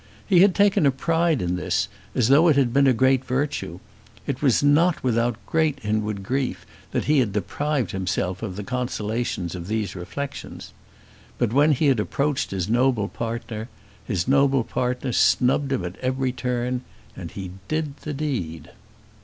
He had taken a pride in this, as though it had been a great virtue. It was not without great inward grief that he had deprived himself of the consolations of these reflections! But when he had approached his noble partner, his noble partner snubbed him at every turn, and he did the deed.